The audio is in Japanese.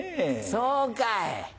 そうかい。